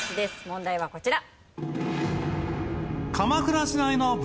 問題はこちら。